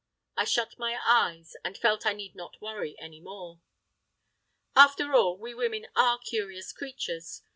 I shut my eyes, and felt I need not worry any more. After all, we women are curious creatures!